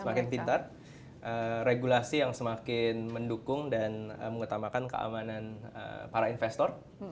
semakin pintar regulasi yang semakin mendukung dan mengutamakan keamanan para investor